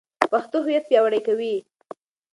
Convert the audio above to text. پښتو هویت پیاوړی کوي.